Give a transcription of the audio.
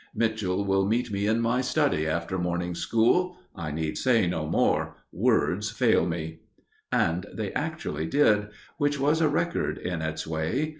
Mitchell will meet me in my study after morning school. I need say no more. Words fail me " And they actually did, which was a record in its way.